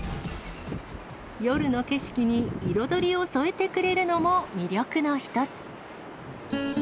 夜の景色に彩りを添えてくれるのも魅力の一つ。